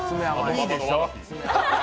いいでしょ。